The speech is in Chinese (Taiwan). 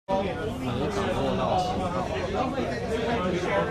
沒掌握到情報